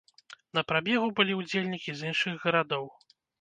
На прабегу былі ўдзельнікі з іншых гарадоў.